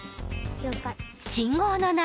了解。